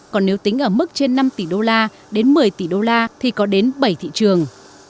còn nếu tính ở mức trên năm tỷ đô la đến một mươi tỷ đô la thì có đến bảy thị trường